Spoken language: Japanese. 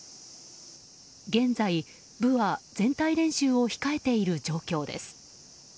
現在、部は全体練習を控えている状況です。